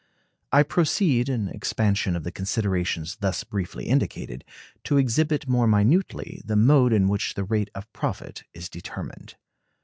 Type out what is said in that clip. I proceed, in expansion of the considerations thus briefly indicated, to exhibit more minutely the mode in which the rate of profit is determined.